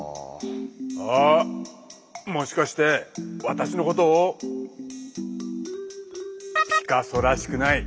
あっもしかして私のことをピカソらしくない。